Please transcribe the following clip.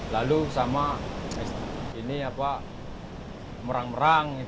lalu sama merang merang